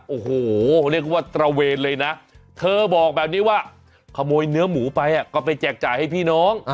โอ้โหเรียกว่าตระเวนเลยนะเธอบอกแบบนี้ว่าขโมยเนื้อหมูไปก็ไปแจกจ่ายให้พี่น้อง